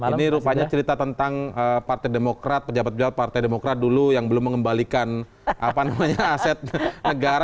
ini rupanya cerita tentang partai demokrat pejabat pejabat partai demokrat dulu yang belum mengembalikan aset negara